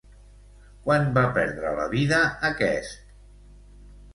Quan va perdre la vida aquest?